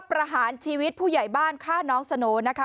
ประหารชีวิตผู้ใหญ่บ้านฆ่าน้องสโนนะคะ